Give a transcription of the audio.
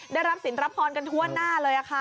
ได้รับสินรับพรกันทั่วหน้าเลยค่ะ